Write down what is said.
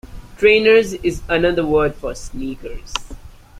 Trainers is another word for sneakers